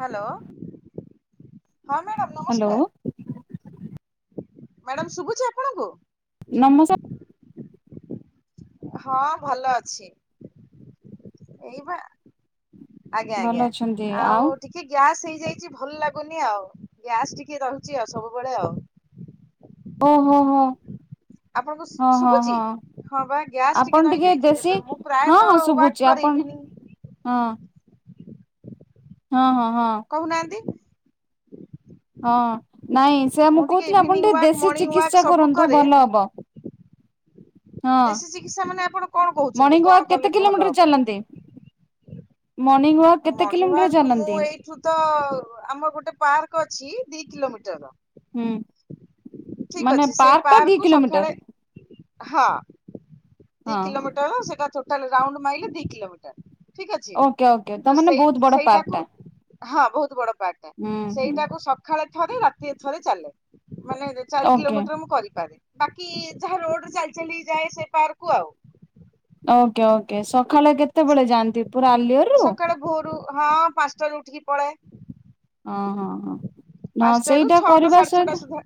Hello. ହଁ madam hello ନମସ୍କାର୍। Madam ଶୁଭୁଛି ଆପଣଙ୍କୁ? ନମସ ହଁ ଭଲ ଅଛି। ଏଇବା ଆଜ୍ଞା ଭଲ ଆଜ୍ଞା ଅଛନ୍ତି ଆଉ ଟି କେ ଗ୍ୟାସ୍ ହେଇଯାଇଛି, ଭଲ ଲାଗୁନି ଆଉ। ଗ୍ୟାସ୍ ଟିକେ ରହୁଛି ଆଉ ସବୁବେଳେ ଆଉ। ଓ ହୋ ହୋ। ଆପଣଙ୍କୁ ହଁ ହଁ ଶୁଭୁଛି? ହଁ ହଁ ବା ଗ୍ୟାସ୍ ଆପଣ ଟିକେ ରହିଯାଇଛି ଦେଶୀ ଏବେ ମୁଁ ହଁ ହଁ ଶୁଭୁଛି ପ୍ରାୟତଃ [inaudible] ଆପଣ ଇଭିନିଙ୍ଗ ହଁ। ହଁ ହଁ ହଁ। କହୁନାହାନ୍ତି। ହଁ ନାଇଁ ସେ ମୁଁ ଟିକେ କହୁଥିଲି ଆପଣ ଇଭିନିଂ ଟିକେ ୱାକ୍ ଦେଶୀ ମର୍ଣ୍ଣିଂ ୱାକ୍ ଚିକିତ୍ସା ସବୁ କରନ୍ତୁ କରେ। ଭଲ ହବ। ହଁ ଦେଶୀ ଚିକିତ୍ସା ମାନେ ଆପଣ କଣ ମର୍ଣ୍ଣିଂ କହୁଛନ୍ତି କଣ ୱାକ୍ କେତେ କଲେ କିଲୋମିଟର ଭଲ ହବ? ଚାଲନ୍ତି ମର୍ଣ୍ଣିଂ ୱାକ୍ ଆ କେତେ କିଲୋମିଟର ମର୍ଣିଂୱାର୍କ ଚାଲନ୍ତି ମୁଁ ଏଇଠୁ ତ ଆମର ଗୋଟେ ପାର୍କ ଅଛି ଦି କିଲୋମିଟରର। ହୁଁ ଠିକ ମାନେ ଅଛି। ସେଇ ପାର୍କ ଟା ଦି ପାର୍କକୁୁ କିଲୋମିଟର ସଖାଳେ ହଁ ହଁ ଦି ହଁ କିିଲୋମିଟର ସେଟା ଟୋଟାଲ୍ ରାଉଣ୍ଡ ମାଇଲେ ଦି କିଲୋମିଟର ଠିକ୍ ଅଛି। ଓକେ ଓକେ ତା ତ ମାନେ ସେଇ ବହୁତ ବଡ ପାର୍କ ସେଇଟାକୁ ଟା ହଁ ବହୁତ ବଡ ପାର୍କ ହୁଁ ଟା। ହୁଁ ସେଇଟାକୁ ସକାଳେ ଥରେ ରାତି ଥରେ ଚାଲେ। ମାନେ ଯେ ଚାରି ଓକେ କିଲୋମିଟର ମୁଁ କରିପାରେ। ବାକି ଯାହା ରୋଡରେ ଚାଲି ଚାଲି ଯାଏ ସେ ପାର୍କୁ ଆଉ। Okay okay. ସକାଳେ କେତେବେଳେ ସେତିକି ଯାଆନ୍ତି ପୁରା ଆଲୁଅରୁ? ସକାଳେ ଭୋରୁ ହଁ ପାଞ୍ଚଟାରୁ ଉଠିକି ପଳେଏ। ହଁ ହଁ ହଁ। ପାଞ୍ଚଟାରୁ ସେଇଟା ଛଅଟା କରିବା ସାଢେ ଛଅଟା ସହିତ ସୁଦ୍ଧା।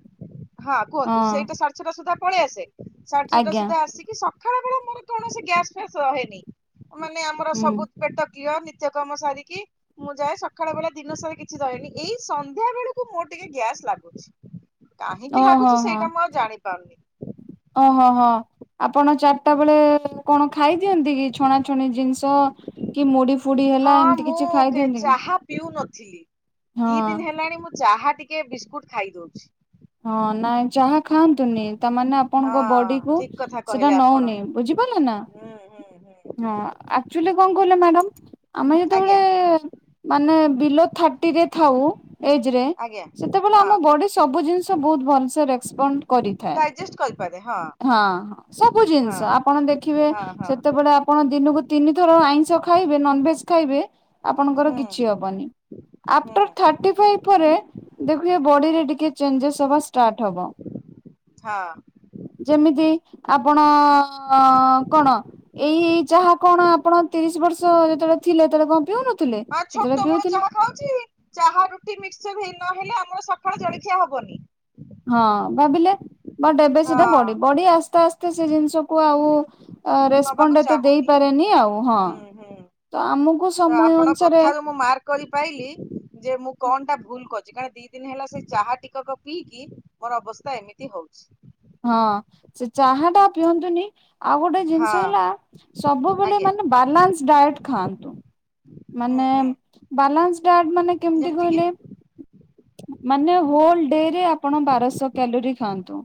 ହଁ କୁହନ୍ତୁ ହଁ ସେଇଟା ସାଡ ଛଅଟା ସୁଦ୍ଧା ପଳେଇ ଆସେ। ସାଢେଛଅ ଆଜ୍ଞା ସୁଦ୍ଧା ଆସିକି ସକାଳ ବେଳେ ମୋର କୌଣସି ଗ୍ୟାସ ଫ୍ୟାସ ରହେନି। ମାନେ ଆମର ହୁଁ ସବୁ ପେଟ କ୍ଲିୟର ନିତ୍ୟ କର୍ମ ସାରିକି। ମୁଁ ଯାଏ ସକାଳ ବେଳା ଦିନ ସାରା କିଛି ରୁହନି। ଏଇ ସନ୍ଧ୍ୟା ବେଳୁ କୁ ମୋର ଟିକେ ଗ୍ୟାସ୍ ଲାଗୁଛି। କାହିଁକି ଓହୋ ଲାଗୁଛି ହଁ ସେଇଟା ମୁଁ ଆଉ ଜାଣି ପାରୁନି। ଓହୋ ହୋ ହ। ଆପଣ ଚାରିଟା ବେଳେ କଣ ଖାଇ ଦିଅନ୍ତି କି ଛଣାଛଣି ଜିନିଷ କି ମୁଡି ହଁ ମୁଁ ଚାହା ପିଉନଥିଲି। ହଁ ଦି ଦିନ ହେଲାଣି ମୁଁ ଚାହା ଟି ଟିକେ ବିସ୍କୁଟ୍ ଖାଇଦଉଛି। ହଁ ନାଇଁ ଚାହା ଖାଆନ୍ତୁନି। ତାମାନେ ଆପଣଙ୍କ ବଡି ହଁ କୁ ଠିକ କଥା ସେଟା କହିଲେ ଆପଣ ନଉନି। ବୁଝିପାରିଲେ ନା? ହୁଁ ହୁଁ ହୁଁ ହଁ ଆକ୍ଚୁଆଲି କଣ କହିଲ ମ୍ୟାଡାମ! ଆମେ ଆଜ୍ଞା। ଯେତେବେଳେ ମାନେ ବିଲୋ ଥାର୍ଟି ରେ ଥାଉ ଏଜ୍ ରେ! ଆଜ୍ଞା ସେତେବେଳେ ହଁ ଆମ ବଡି ସବୁ ଜିନିଷ ଭଲସେ ରେସପଣ୍ଡ କରିଥାଏ। ଡାଇଜେସ୍ଟ କରି ହଁ [unintelligible] ହଁ ହଁ ସବୁ ହଁ। ଜିନିଷ ଆପଣ ଦେଖିବେ ହଁ ହଁ ସେତେବେଳେ ଆପ ଆପଣ ଦିନକୁ ତିନି ଥର, ଆଇଁଷ ଖାଇବେ ନନଭେଜ ଖାଇବେ? ଆପଣଙ୍କର ହୁଁ କିଛି ହବନି। ହୁଁ ଆଫ୍ଟର ଥାର୍ଟି ଫାଇଭ ପରେ ଦେଖିବେ ହୁଁ ବଡିରେ ଟିକେ ଚେଞ୍ଜେସ ହବା ଷ୍ଟାର୍ଟ ହବ। ହଁ। ଯେମିତି ଆପଣ କଣ? ଏଇ ଏଇ ଯାହା କଣ ଆପଣ ତିରିଶ ବର୍ଷ ଯେତେବେଳେ ଥିଲେ ସେତେବେଳେ କଣ ପିଉନ ଆ ଛୋଟ ବେଳୁ ଯ [unintelligible] ଖାଉଛି ଚାହା ରୁଟି ମିକ୍ସଚର ନହେଲେ ଆମର ସକାଳ ଜଳଖିଆ ହବନି। ହଁ ଭାବିଲେ? ବଟ୍ ଏବେ ସେଟା ବଢି ବଢି ଆସ୍ତେ ଆସ୍ତେ ସେ ଜିନିଷକୁ ଆଉ ହଁ ନବାକୁ ରେସପଣ୍ଡ ଏତେ ଚାହୁଁନି ଦେଇପାରେନି ଆଉ। ହଁ। ହୁଁ ହୁଁ ତ ଆମକୁ ତ ସମୟ ଆପଣ ଅନୁସାରେ କଥାରୁ ମୁଁ ମାର୍କ କରିପାଇଲି ଯେ ମୁଁ କଣ ଟା ଭୁଲ କରିଚି। କାରଣ ଦି ଦିନ ହେଲା ସେ ଚାହା ଟିକକ ପିଇକି ମୋର ଅବସ୍ଥା ଏମିତି ହଉଚି। ହଁ ସେ ଚାହା ଟା ପିଅନ୍ତୁନି। ଆଉ ଗୋଟେ ହଁ ଜିନିଷ ହେଲା ସବୁବେଳେ ଆଜ୍ଞା ମାନେ ବାଲାନ୍ସ ଡାଏଟ ଖାଆନ୍ତୁ। ହୁଁ ମାନେ ହୁଁ ବାଲାନ୍ସ ଡାଏଟ ମାନେ କେମିତି ଯେମିତି କିି କହିଲେ? ମାନେ ହୋଲ ଡେ ରେ ଆପଣ ବାରଶହ କ୍ୟାଲୋରି ଖାଆନ୍ତୁ।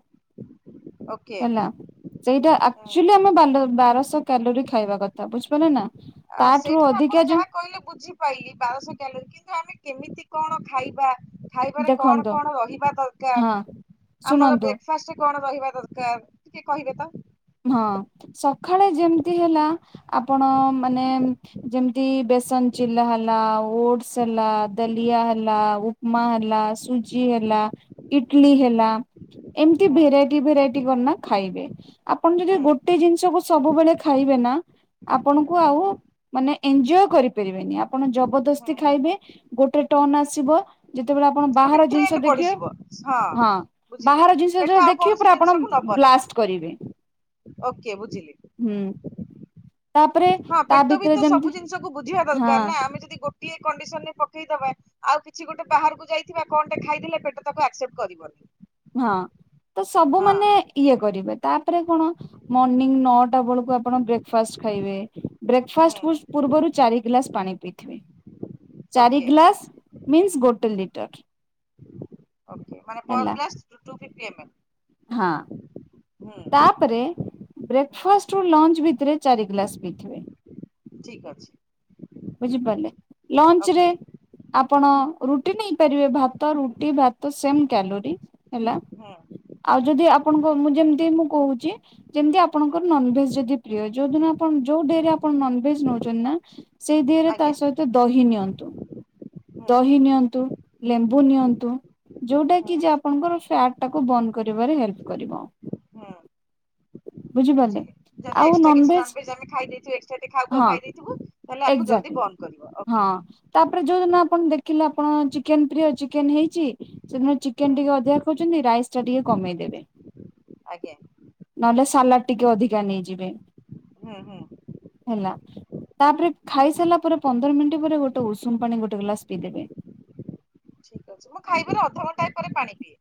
ଓକେ ହେଲା। ସେଇଟା ହୁଁ ଆକ୍ଚୁଆଲି ଆମେ ବାରଶହ କ୍ୟାଲୋରି ଖାଇବା କଥା ବୁଝିପାରିଲେ ନା। ଆଉ ତାଠୁରୁ ସେଇଠାରୁ ଆପଣ ଅଧିକା ଯାହା ଯୋଉ କହିଲେ ବୁଝି ପାଇଲି ବାରଶହ କ୍ୟାଲୋରୀ କିନ୍ତୁ ଆମେ କେମିତି କଣ ଖାଇବା? ଖାଇବାରେ କଣ, ଦେଖନ୍ତୁ କଣ ରହିବା ହଁ ଦରକାର ଆମର ଶୁଣନ୍ତୁ କଫାଷ୍ଟ ରେ କଣ ରହିବା ଦରକାର ଟିକେ କହିବେ ତ? ହଁ ସକାଳେ ଯେମିତି ହେଲା ଆପଣ ମାନେ ଯେମିତି ବେସନ ଚିଲା ହେଲା, ଓଟସ ହେଲା, ଦଲିଆ ହେଲା ପ୍ମା ହେଲା, ସୁଜି ହେଲା, ଇଟଲି ହେଲା। ଏମିତି ହୁଁ ଭେରାଇଟି ଭେରାଇଟି କରନା ଖାଇବେ। ଆପଣ ଯଦି ହୁଁ ଗୋଟେ ଜିନିଷକୁ ସବୁବେଳେ ଖାଇବେ ନା ଆପଣଙ୍କୁ ହୁଁ ଆଉ ମାନେ ଏଞଜୟ କରିପାରିବେନି ଆପଣ ଯ ହୁଁ ଜବରଦସ୍ତି ହୁଁ ଖାଇବେ। ଗୋଟେ ଟନ ଆସିବ ଯେତେବେ ଆପଣ ଗୋଟେ ବାହାର ଜିନିଷ ଟ୍ରେଣ୍ଡ ଦେଖିବେ। ପଡିଯିବ ହଁ ବୁଝିଲି ବାହାର ଜିନିଷ ପେଟ ଯେତବେଳେ ଆଉ କୌଣସି ଦେଖିବେ ଆପଣ ଜିନିଷକୁ ନବନି ବ୍ଲାଷ୍ଟ କରିବେ। ଓକେ ବୁଝିଲି। ହୁଁ। ତାପରେ ହଁ ତା ପେଟ ବି ଭିତରେ ତ ଯେମିତି ସବୁ ଜିନିଷକୁ ବୁଝିବା ହଁ ଦରକାର ନା। ଆମେ ଯଦି ଗୋଟିଏ କଣ୍ଡିସନ ରେ ପକେଇଦବା ଆଉ କିଛି ଗୋଟେ ବାହାରକୁ ଯାଇଥିବା କଣଟେ ଖାଇଲେ ପେଟ ତାକୁ ଆକ୍ସେପ୍ଟ କରିବନି। ହଁ ତ ସବୁ ହଁ ମାନେ ଇଏ କରିବେ ତାପରେ କଣ ମର୍ଣିିଂ ନଅଟା ବେଳକୁ ଆପଣ ବ୍ରେକ୍ଫାଷ୍ଟ ଖାଇବେ। ହୁଁ ବ୍ରେକ୍ଫାଷ୍ଟ ପୁ ପୂର୍ବରୁ ଚାରି ଗ୍ଲାସ ପାଣି ପିଇଥିବେ। ଚାରି ଓକେ ଗ୍ଲାସ୍ ମିନ୍ସ ଗୋଟେ ଲିଟର। ଓକେ ମାନେ ପର ହେଲା glass two fifty M L? ହଁ। ହୁଁ। ତାପରେ ହୁଁ ବ୍ରେକଫାଷ୍ଟ ରୁ ଲଞ୍ଚ ଭିତରେ ଚାରି ଗିଲାସ ପିଇଥିବେ। ଠିକ ଅଛି। ବୁଝିପାରିଲେ। ଲଞ୍ଚ ରେ ଓକେ ଆପଣ ରୁଟି ନେଇପାରିବେ। ଭାତ ରୁଟି ଭାତ ସେମ କ୍ୟାଲୋରି। ହେଲା। ହୁଁ ଆଉ ହୁଁ ଯଦି ଆପଣଙ୍କ ମୁଁ ଯେମିତି ମୁଁ କହୁଚି ଯେମିତି ହୁଁ ଆପଣଙ୍କର ନନଭେଜ ଯଦି ପ୍ରିୟ, ଯୋଉ ଦିନ ଆପଣ ଯୋଉ ଡେରେ ହୁଁ ଆପଣ ନନଭେଜ ନେଉଚନ୍ତି ନା ସେଇ ଦେହରେ ତା ଆଜ୍ଞା ସହିତ ଦହି ନିଅନ୍ତୁ ହୁଁ ଦହି ହୁଁ ନିଅନ୍ତୁ। ଲେମ୍ବୁ ନିଅନ୍ତୁ। ଯୋଉଟା ହୁଁ କି ଯେ ଆପଣଙ୍କର ଫ୍ୟାଟ ଟାକୁ ବନ୍ଦ କରିବାରେ ହେଲ୍ପ କରିବ। ହୁଁ। ବୁଝିପାରିଲେ? ବୁଝିଲି ଯଦି ଆଉ ଏକ୍ସଟ୍ରା କିଛି ନନଭେଜ ନନଭେଜ୍ ଆମେ ଖାଇ ଦେଇଥୁ ଏକ୍ସଟରା ଖାଉ ଖାଉ ହଁ ଖାଇ ଦେଇଥିବୁ ତାହଲେ ଆକୁ ଜଲ୍ଦି ଏକ୍ଜାକ୍ଟଲି ବର୍ନ କରିବ ହଁ ଓକେ। ତାପରେ ଯୋଉଦିନ ହୁଁ ଆପଣ ଦେଖିଲେ ଆପଣ ଚିକେନ ପ୍ରିୟ ଚିକେନ ହେଇଚି ସେଦିନ ହୁଁ ଚିକେନ ଟିକେ ଅଧିକା ଖାଉଚନ୍ତି, ରାଇସ ଟା ଟିକେ କମେଇଦେବେ। ଆଜ୍ଞା। ନହେଲେ ସାଲାଡ ଟିକେ ଅଧିକା ନେଇଯିବେ। ହୁଁ ହୁଁ। ହେଲା। ତାପରେ ଖାଇସାରିଲା ପରେ ପନ୍ଦର ମିନିଟ ପରେ ଗୋଟେ ଉଷୁମ ପାଣି ଗୋଟେ ଗ୍ଲାସ ପିଇଦେବେ। ଠିକ୍ ଅଛି। ମୁଁ ଖାଇବାର ଅଧଘଣ୍ଟାଏ ପରେ ପାଣି ପିଏ।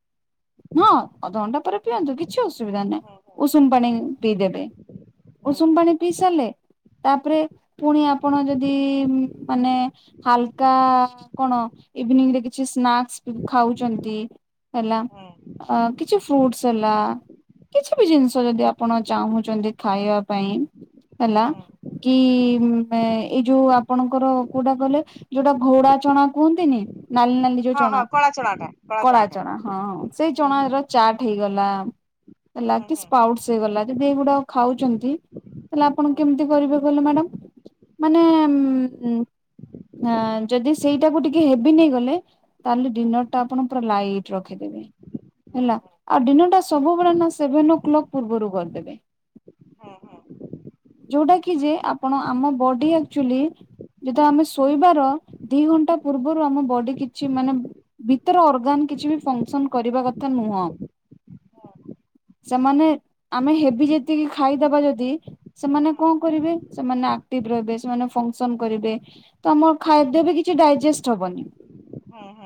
ହଁ ଅଧଘଣ୍ଟା ପରେ ପିଅନ୍ତୁ କିଛି ଅସୁବିଧା ହୁଁ ନାହିଁ ଉଷୁମ ପାଣି ହୁଁ ପିଇଦେବେ। ହୁଁ ଉଷୁମ ପାଣି ପିଇସାରିଲେ ତାପରେ ପୁଣି ଆପଣ ଯଦି ମାନେ ହାଲକା କଣ ଇଭିନିଂରେ କିଛି ସ୍ନାକ୍ସ ଖାଉଛନ୍ତି। ହେଲା ହୁଁ ହୁଁ ଅ କିଛି ଫ୍ରୁଟ୍ସ ହେଲା। କିଛି ହୁଁ ବି ଜିନିଷ ଯଦି ଆପଣ ଚାହୁଁଛନ୍ତି ଖାଇବା ପାଇଁ ହେଲା। ହୁଁ କି ହୁଁ ଏଇ ଯୋଉ ଆପଣଙ୍କର କୋଉଟା କହିଲେ? ଯୋଉଟା ଘୋଡ଼ା ଚଣା କୁହନ୍ତିନି ନାଲି ନାଲି ଯୋଉ ହଁ ଚଣା ହଁ କଳା ଚଣାଟା କଳା ଚଣାଟା ଚଣା ହଁ ହୁଁ ହୁଁ ଚଣାର ଚାଟ ହେଇଗଲା। ହେଲା ହୁଁ କି ହୁଁ ସ୍ପାଉଟସ ହେଇଗଲା ଯଦି ଏଇଗୁଡା ଖାଉଛନ୍ତି। ତାହଲେ ଆପଣ ହୁଁ କେମିତି କରିବେ କହିଲେ ମ୍ୟାଡାମ ମାନେ ହୁଁ ଉମ ହଁ ଯଦି ସେଇଟାକୁ ଟିକେ ହେବ ନେଇ ଗଲେ ତାହେଲେ ଡିନରଟା ଆପଣ ପୁରା ଲାଇଟ୍ ରଖିଦେବେ। ହୁଁ ହେଲା ହୁଁ ଆଉ ଡିନର ଟା ହୁଁ ସବୁବେଳେ ନା ସେଭେନ ଓକ୍ଲକ୍ ପୂର୍ବରୁ କରିଦେବେ। ହଁ ଯୋଉଟା କି ଯେ ଆପଣ ଆମ ବଡି ଆକ୍ଟୁଆଲୀ ଯେତେବେଳେ ଆମେ ହୁଁ ଶୋଇବାର ଦି ଘଣ୍ଟା ପୂର୍ବରୁ ଆମ ବଡି କିଛି ମାନେ ଭିତର ଅର୍ଗାନ କିଛି ବି ଫଙ୍କସନ୍ କରିବା କଥା ନୁହଁ ସେମାନେ ଆମେ ହେବି ଯେତିକି ଖାଇଦବା ଯଦି ହୁଁ ସେମାନେ କଣ କରିବେ ସେମାନେ ଆକ୍ଟିଭ ରହିବେ, ସେମାନେ ଫଙ୍କସନ କରିବେ ତ ଆମର ଖାଦ୍ୟ ବି କିଛି ଡାଇଜେଷ୍ଟ ହବନି। ହଁ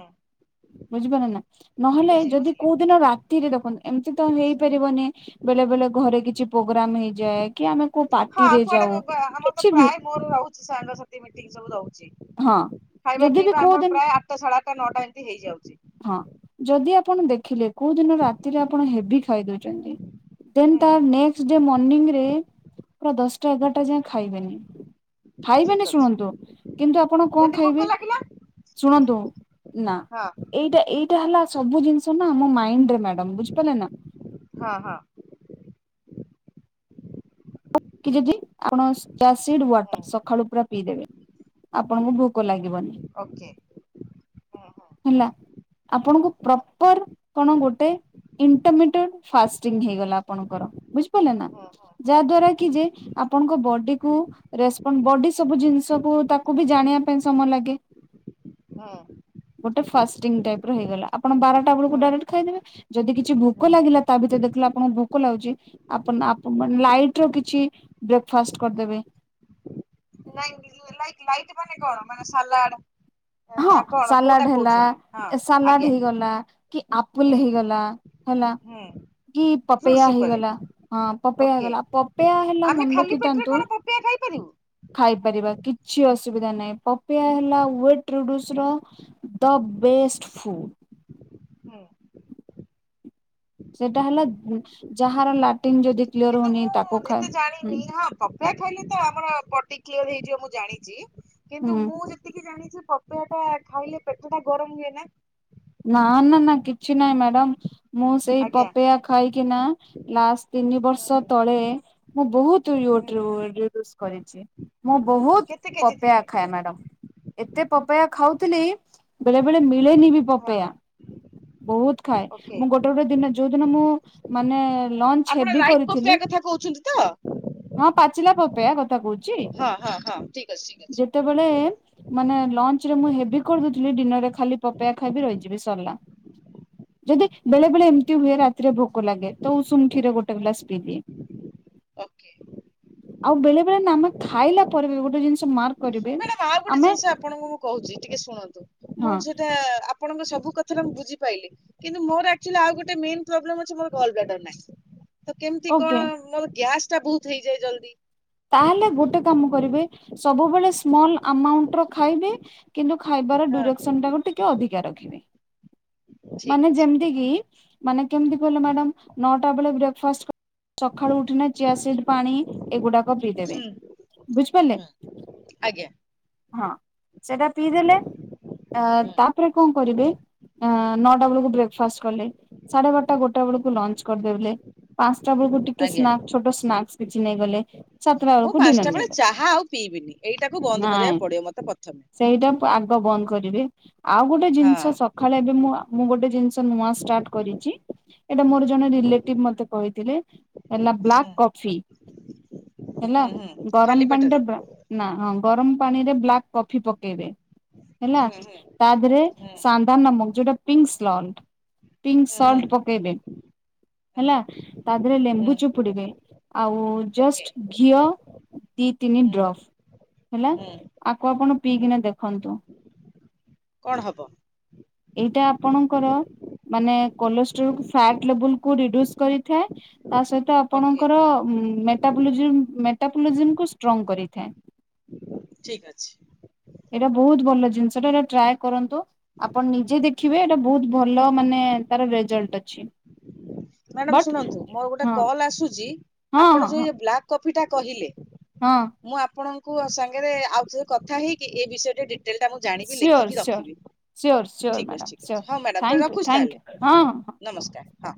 ବୁଝିପାରିଲେ ନା ନହେଲେ ବୁଝିଲି ଯଦି ବୁଝିଲି କୋଉ ଦିନ ରା ତିରେ ଦେଖନ୍ତୁ ଏମିତି ତ ହେଇପାରିବନି ବେଳେ ବେଳେ ଘରେ କିଛି ପ୍ରୋଗ୍ରାମ ହେଇଯାଏ କି ଆମେ କୋଉ ହଁ ପାର୍ଟିରେ କୁଆଡେ ଯାଉ ଆମର ତ କିଛି ବି ପ୍ରାୟ ମୋର ରହୁଛି ସାଙ୍ଗସାଥି ମିଟିଙ୍ଗ ସବୁ ରହୁଛି। ହଁ ଖାଇବା ଯଦି ବି ପିଇବା କୋଉ ଆମର ଦିନ ପ୍ରାୟ ଆଠଟା ସାଢେ ଆଠଟା ନଅଟା ଏମିତି ହେଇଯାଉଛି। ହଁ ଯଦି ଆପଣ ଦେଖିଲେ କୋଉ ଦିନ ରାତିରେ ଆପଣ ହେବି ଖାଇଦଉଛନ୍ତି? ଦେନ୍ ହୁଁ ତା ନେକ୍ସଟ ଡେ ମର୍ନିଙ୍ଗରେ, ପୁରା ଦଶଟା ଏଗାରଟା ଯାଏ ଖାଇବେନି। ଠିକ ଖାଇବେନି ଅଛି ଶୁଣନ୍ତୁ କିନ୍ତୁ ଆପଣ କଣ ଯଦି ଖାଇବେ? ଭୋକ ଲାଗିଲା ଶୁଣନ୍ତୁ ନା ହଁ ଏଇଟା ଏଇଟା ହେଲା ସବୁ ଜିନିଷ ନା ଆମ ମାଇଣ୍ଡରେ ମ୍ୟାଡାମ ବୁଝିପାରିଲେ। ନା ହଁ ହଁ କି ଯଦି ଆପଣ ଚିଆସିଡ ହୁଁ ୱାଟର ସକାଳୁ ପୁରା ପିଇଦେବେ। ଆପଣଙ୍କୁ ଭୋକ ଲାଗିବନି। ଓକେ ହୁଁ ହୁଁ ହେଲା ଆପଣଙ୍କୁ ପ୍ରପର କଣ ଗୋଟେ ଇଣ୍ଟରମିଟିର ଫାଷ୍ଟିଂ ହେଇଗଲା ଆପଣଙ୍କର ବୁଝପାରିଲେ ନା ହୁଁ ହୁଁ ଯାହା ଦ୍ଵାରା କି ଯେ ଆପଣଙ୍କ ବଡିକୁ ରେସପଣ୍ଡ ବଡି ସବୁ ଜିନିଷକୁ ତାକୁ ବି ଜାଣିବା ପାଇଁ ସମୟ ଲାଗେ। ହଁ ଗୋଟେ ଫାଷ୍ଟିଙ୍ଗ ଟାଇପ ର ହେଇଗଲା ଆପଣ ବାରଟା ହୁଁ ବେଳକୁ ହୁଁ ଡାଇରେକ୍ଟ ଖାଇଦେବେ। ଯଦି କିଛି ହୁଁ ଭୋକ ଲାଗିଲା ତା ଭିତରେ ଦେଖିଲା ଆପଣଙ୍କୁ ଭୋକ ଲାଗୁଛି ଆପ ଆପଣ ଲାଇଟର କିଛି ବ୍ରେକ୍ଫାଷ୍ଟ କରିଦେବେ। ନାଇଁ କିନ୍ତୁ ଏମ ଲାଇଟ ମାନେ କଣ? ମାନେ ସାଲାଡ ହଁ ନା କଣ ସାଲାଡ କୋଉଟା ହେଲା କହୁଛନ୍ତି ହଁ ସାଲାଡ ଆଜ୍ଞା ହେଇଗଲା କି ଆପଲ ହୁଁ ହେଇଗଲା ହେଲା ହୁଁ କି ଫ୍ରୁଟସ ପପେୟା ଉପରେ ହେଇଗଲା। ହଁ ପପେୟା ଓକେ ହେଇଗଲା ପପେୟା ହେଲା ଆମେ ମନେ ଖାଲି ପେଟରେ ରଖିଥାନ୍ତୁ କଣ ପପେୟା ଖାଇପାରିବୁ ଖାଇପାରିବା କିଛି ଅସୁବିଧା ନାହିଁ। ପପେୟା ହେଲା wait introducer the best food. ସେଟା ହେଲା ଯାହାର ଲାଟିନ୍ ଯଦି କ୍ଲିୟର କିନ୍ତୁ ହଉନି ତାକୁ ମୁଁ ଖାଏ ଏତେ ହୁଁ ଜାଣିନି। ହଁ ପପେୟା ଖାଇଲେ ତ ଆମର ବୋଡି କ୍ଲିୟର ହେଇଯିବ ମୁଁ ଜାଣିଛି। କିନ୍ତୁ ହୁଁ ମୁଁ ଯେତିକି ଜାଣିଛି ପପେୟା ଟା ଖାଇଲେ ପେଟଟା ଗରମ ହୁଏ ନା। ନା ନା ନା କିଛି ନାହିଁ ମ୍ୟାଡାମ ମୁଁ ସେଇ ଆଜ୍ଞା ପପେୟା। ଖାଇକିନା ଲାଷ୍ଟ୍ ତିନି ହୁଁ ବର୍ଷ ହୁଁ ତଳେ। ମୁଁ ବହୁତ ୟୁଟ୍ ହୁଁ ୱେଟ୍ ରିଡ୍ୟୁସ୍ କରିଛି। ମୁଁ ବହୁତ କେତେ କେଜି ପପେୟା ଥିଲେ ଖାଏ ମ୍ୟାଡ଼ାମ। ଏତେ ପପେୟା ଖାଉଥିଲି ବେଳେ ବେଳେ ମିଳେନି ବି ପ ହଁ ବହୁତ ଖାଏ ଓକେ ମୁଁ ଗୋଟେ ଗୋଟେ ଦିନ ଯୋଉ ଦିନ ମୁଁ ମାନେ ଲଞ୍ଚ ଆପଣ ହେଭୀ ଲାଇଟ କରିଥିଲି। ପପେୟା କଥା କହୁଛନ୍ତି ତ ହଁ ହଁ ପାଚିଲା ପପେୟା କଥା କହୁଛି। ହଁ ହଁ ହଁ ଠିକ୍ ଅଛି ଠିକ୍ ଅଛି। ଯେତେବେଳେ ମାନେ ଲଞ୍ଚରେ ମୁଁ ହେଭୀ କରିଦଉଥିଲି, ଡିନରରେ ଖାଲି ପପେୟା ଖାଇବି ରହିଯିବି। ବି ସରିଲା ଯଦି ବେଳେ ବେଳେ ଏମିତି ହୁଏ ରାତିରେ ଭୋକ ଲାଗେ ତ ଉଷୁମ କ୍ଷୀର ଗୋଟେ ଗ୍ଲାସ ପିଇଦିଏ। ଅ ଆଉ ବେଳେ ବେଳେ ଆମେ ଖାଇଲା ପରେ ଗୋଟେ ଜିନିଷ ମାର୍କ୍ ମ୍ୟାଡାମ ଆଉ ଗୋଟେ ଜିନିଷ ଆପଣଙ୍କୁ ମୁଁ କହୁଛି ଟିକେ ଶୁଣନ୍ତୁ ମୁଁ ହଁ ସେଟା ଆ ଆପଣଙ୍କ ସବୁ କଥାଟା ମୁଁ ବୁଝିପାଇଲି। କିନ୍ତୁ ମୋର ଆକ୍ଚୁଲି ଆଉ ଗୋଟେ ମନ ପ୍ରୋବ୍ଲେ ଅଛି ମୋର ଗର୍ଲବ୍ଲେଡର ନାହିଁ। ତ କେମିତି ଓକେ କଣ ମର ଗ୍ୟାସ୍ ଟା ବହୁତ ହେଇଯାଏ ଜଲ୍ଦି। ତାହେଲେ ଗୋଟେ କାମ କରିବେ ସବୁବେଳେ ସ୍ମଲ ଆମାଉଣ୍ଟର ଖାଇବେ। କିନ୍ତୁ ଖାଇବାର ହଁ ଡୁରେକ୍ସନଟାକୁ ଟିକେ ଅଧିକା ରଖିବେ। ଠିକ ମାନେ ଅଛି। ଯେମତି କି ମାନେ କେମତି କହିଲ ମ୍ୟାଡ଼ାମ ନଅଟା ବେଳେ ବ୍ରେକଫାଷ୍ଟ୍। ସକାଳୁ ଉଠିଲେ ଚିଆସିଡ୍ ପାଣି ଏଗୁଡ଼ାକ ପିଇଦେବେ ହୁଁ ବୁଝିପାରିଲେ। ହୁଁ ଆଜ୍ଞା ହଁ ସେଟା ପିଇଦେଲେ ଆ ହୁଁ ତାପରେ କଣ କରିବେ? ନଅଟା ବେଳକୁ ବ୍ରେକ୍ଫାଷ୍ଟ କଲେ। ସାଢେ ବାରଟା ଗୋଟା ବେଳକୁ ଲଞ୍ଚ୍ କରିଦେବଲେ ପାଞ୍ଚଟା ବେଳକୁ ଟିକେ ଆଜ୍ଞା। ସ୍ନାକ୍ସ ଛୋଟ ସ୍ନାକ୍ସ କିଛି ନେଇଗଲେ। ସାତଟା ମୁଁ ବେଳକୁ ଡିନର ପାଞ୍ଚଟା ବେଳେ ନେଇଗଲେ ଚାହା ଆଉ ପିଇବିନି ଏଇଟାକୁ ବନ୍ଦ ନାଇଁ କରିବାକୁ ପଡ଼ିବ ମତେ ସେଇଟା ପ୍ରଥମେ। ଆଗ ବନ୍ଦ କରିବି ଆଉ ଗୋଟେ ହଁ ଜିନିଷ ସ ଖାଳେ ଏବେ ମୁଁ ମୁଁ ଗୋଟେ ଜିନିଷ ନୂଆ ଷ୍ଟାର୍ଟ କରିଛି। ଏଇଟା ମୋର ଜଣେ ରିଲେଟିଭ୍ ମତେ କହିଥିଲେ ହେଲା ବ୍ଲାକ୍ ହୁଁ କଫି। ହେଲା ହୁଁ ହୁଁ ଖାଲି ଗରମ ପେଟରେ ପାଣିଟା ନା ହଁ ଗରମ ପାଣିରେ ବ୍ଲାକ୍ କଫି ପକେଇବେ ହେଲା ହୁଁ ହୁଁ ତା ଦେହରେ ହୁଁ। ସାନ୍ଧାନ ନାମକ ଯୋଉଟା ପିଙ୍କ୍ ସ୍ଲଣ୍ଡ୍ ପିଙ୍କ୍ ହୁଁ ହୁଁ ସଲ୍ଟ ପକେଇବେ ହୁଁ ହେଲା ତା ଉପରେ ହୁଁ ଲେମ୍ବୁ ଚୋପୁଡିବେ। ଆଉ ଓକେ ଜଷ୍ଟ ଘିଅ ଦି ତିନି ହୁଁ ଡ୍ରପ ହେଲା। ହୁଁ ଆକୁ ଆପଣ ହୁଁ। ପିଇକିନା ଦେଖନ୍ତୁ। କଣ ହବ? ଏଇଟା ଆପଣଙ୍କର ମାନେ କୋଲେଷ୍ଟ୍ରୋଲକୁ ଫ୍ୟାଟ୍ ଲେବୁଲକୁୁ ରିଡ୍ୟୁସ କରିଥାଏ। ତା ସହିତ ଓକେ ଆପଣଙ୍କର ମେଟାବୋଲିଜିମ୍ ମେଟାବୋଲିଜିମ୍ କୁ ଷ୍ଟ୍ରଙ୍ଗ୍ କରିଥାଏ। ଠିକ୍ ଅଛି। ଏଇଟା ବହୁତ୍ ଭଲ ଜିନିଷଟା ଏଟା ଟ୍ରାଏ କରନ୍ତୁ। ଆପଣ ନିଜେ ଦେଖିବେ ଏଇଟା ବହୁତ ଭଲ ମାନେ ତାର ରେଜଲ୍ଟ ଅଛି। ମ୍ୟାଡାମ ବଟ୍ ଶୁଣନ୍ତୁ ମୋର ଗୋଟେ ହଁ କଲ୍ ଆସୁଛି ହଁ ଆପଣ ହଁ ହଁ ଯୋଉ ବ୍ଲାକ୍ କଫି ଟା କହିଲେ ହଁ। ମୁଁ ଆପଣଙ୍କୁ ସାଙ୍ଗରେ ଆଉ ଥରେ କଥା ହେଇକି। ଏ ବିଷୟ ଟିକେ ଡି ଡିଟେଲ୍ ଟା ମୁଁ ଜାଣିବି ସିଓର ଲେଖିକି ସିଓର ରଖିବି। ସିଓର ସିଓର ଠିକ ଅଛି ମ୍ୟାଡ଼ାମ ଠିକ ସିଓର। ଅଛି। ହଁ ମ୍ୟାଡ଼ାାମ। ତ ଥ୍ୟାଙ୍କୟୁ ରଖୁଛି ଥ୍ୟାଙ୍କୟୁ ତାହେଲେ? ହଁ ହଁ। ନମସ୍କାର। ହଁ।